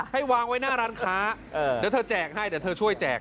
ให้วางไว้หน้าร้านค้าเดี๋ยวเธอแจกให้เดี๋ยวเธอช่วยแจก